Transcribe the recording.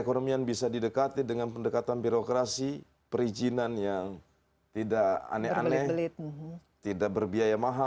kalau untuk banjir sendiri